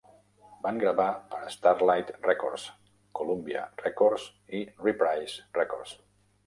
Van gravar per a Starlite Records, Columbia Records i Reprise Records.